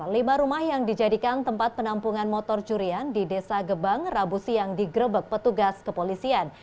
lima rumah yang dijadikan tempat penampungan motor curian di desa gebang rabu siang digerebek petugas kepolisian